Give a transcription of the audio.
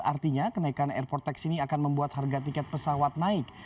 artinya kenaikan airport tax ini akan membuat harga tiket pesawat naik